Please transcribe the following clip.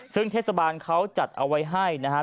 ซึ่งเทศบาลเขาจัดเอาไว้ให้นะครับ